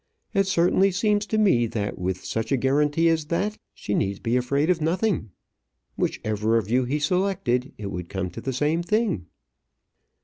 It certainly seems to me that with such a guarantee as that she needs be afraid of nothing. Whichever of you he selected, it would come to the same thing."